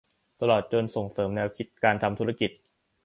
ตลอดจนส่งเสริมแนวคิดการทำธุรกิจ